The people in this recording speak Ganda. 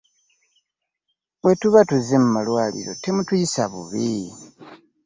Bwe tuba tuzze mu malwaliro temutuyisa bubi.